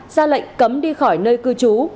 ra lệnh cấm đi khỏi nơi cư trú